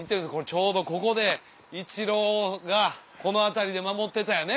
ちょうどここでイチローがこの辺りで守ってたよね